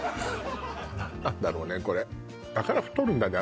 何なんだろうねこれだから太るんだね